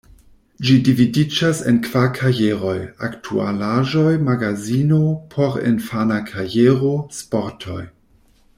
Ĝi dividiĝas en kvar kajeroj: “Aktualaĵoj“, “Magazino“, “Porinfana kajero“, “Sportoj“.